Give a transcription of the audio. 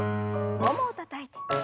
ももをたたいて。